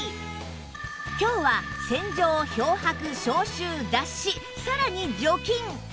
今日は洗浄漂白消臭脱脂さらに除菌！